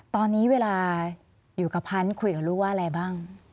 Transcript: ตอนนี้เวลาอยู่กับพันธุ์คุยกับลูกว่าอะไรบ้าง